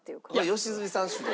良純さん主導？